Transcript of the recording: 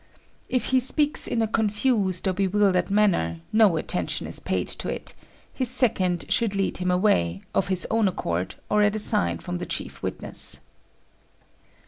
If he speaks in a confused or bewildered manner, no attention is paid to it: his second should lead him away, of his own accord or at a sign from the chief witness.